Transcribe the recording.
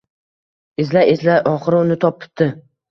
Izlay-izlay oxiri uni topibdi